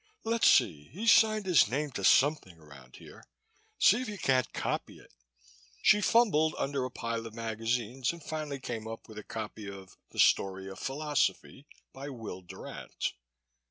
Let's see, he signed his name to something around here. See if you can't copy it." She fumbled under a pile of magazines and finally came up with a copy of "The Story of Philosophy" by Will Durant.